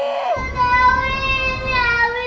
ibu dewi ini tante dewi